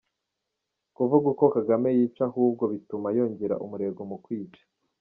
Kuvuga uko Kagame yica ahubwo bituma yongera umurego mukwica!